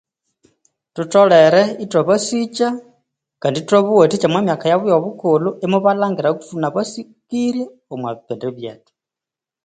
Thutholere ithwa basikya, Kandi ithwa bawathikya omumyaka yabu yobukulhu , imubalhangira kuthuna basikirye omubipindi byethu